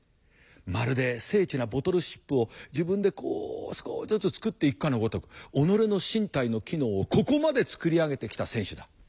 まるで精緻なボトルシップを自分でこう少しずつ作っていくかのごとく己の身体の機能をここまで作り上げてきた選手だ。